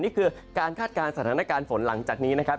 นี่คือการคาดการณ์สถานการณ์ฝนหลังจากนี้นะครับ